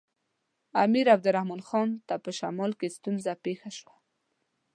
امیر عبدالرحمن خان ته په شمال کې ستونزه پېښه شوه.